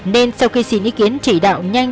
nên sau khi xin ý kiến trị đạo nhanh